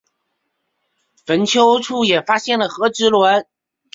坟丘处也发现了和埴轮。